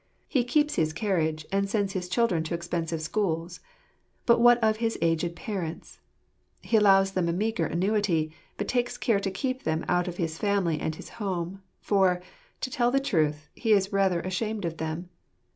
He keeps his carriage, and sends his children to expensive schools. But what of his aged parents? He allows them a meagre annuity; but takes care to keep them out of his family and his home — for, to tell the truth, he is rather ashamed of them.